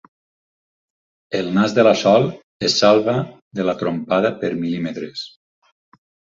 El nas de la Sol es salva de la trompada per mil·límetres.